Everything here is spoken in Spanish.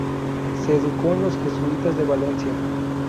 Se educó en los jesuitas de Valencia.